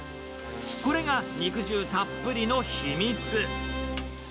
これが肉汁たっぷりの秘密。